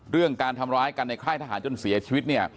เรื่องการทำร้ายกันในค่ายทหารจนเสียชีวิตเนี่ย